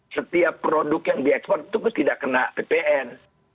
setiap produk yang diekspor itu tidak kena ppn